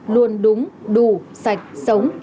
luôn đúng đủ sạch sống